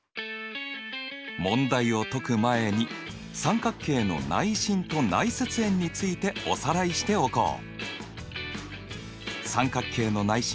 問題を解く前に三角形の内心と内接円についておさらいしておこう！